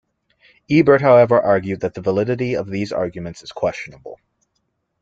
Ebert, however, argued that The validity of these arguments is questionable.